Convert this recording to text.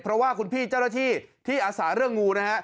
เพราะว่าคุณพี่เจ้าหน้าที่ที่อาสาเรื่องงูนะฮะ